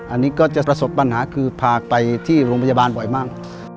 อันนี้ก็จะประสบปัญหาคือพาไปที่โรงพยาบาลบ่อยมาก